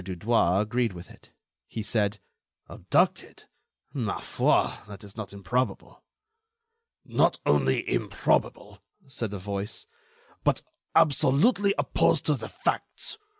Dudouis agreed with it. He said: "Abducted? ma foi! that is not improbable." "Not only improbable," said a voice, "but absolutely opposed to the facts.